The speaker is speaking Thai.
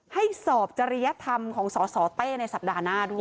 ให้สอบจริยธรรมของสสเต้ในสัปดาห์หน้าด้วย